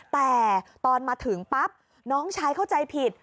แต่ตอนมาถึงปั๊บน้องชายเข้าใจผิด